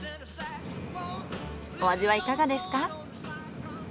お味はいかがですか？